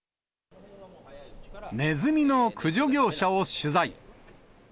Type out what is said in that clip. ネズミの駆除業者を取材。